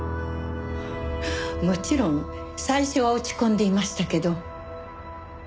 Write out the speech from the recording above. もちろん最初は落ち込んでいましたけど。